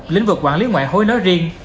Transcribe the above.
lĩnh vực quản lý ngoại hối nói riêng